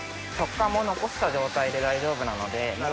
食感も残した状態で大丈夫なので。